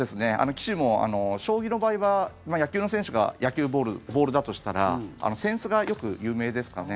棋士も、将棋の場合は野球の選手が野球ボールだとしたら扇子がよく有名ですかね。